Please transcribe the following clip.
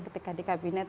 ketika di kabinet